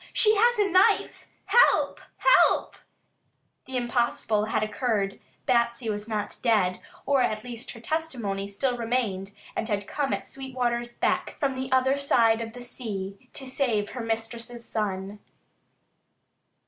She has a knife. Help! Help!" The impossible had occurred. Batsy was not dead, or at least her testimony still remained and had come at Sweetwater's beck from the other side of the sea to save her mistress's son.